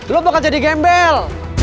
lu bakal jadi gembel